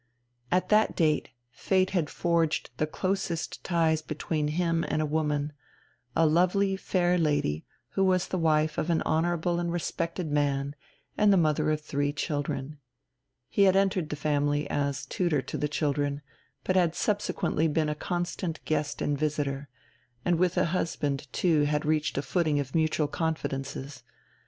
At that date fate had forged the closest ties between him and a woman, a lovely, fair lady who was the wife of an honourable and respected man and the mother of three children. He had entered the family as tutor to the children, but had subsequently been a constant guest and visitor, and with the husband too had reached a footing of mutual confidences.